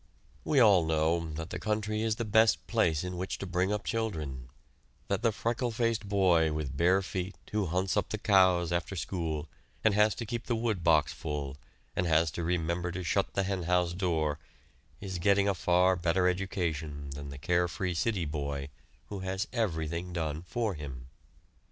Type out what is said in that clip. We all know that the country is the best place in which to bring up children; that the freckle faced boy, with bare feet, who hunts up the cows after school, and has to keep the woodbox full, and has to remember to shut the henhouse door, is getting a far better education than the carefree city boy who has everything done for him.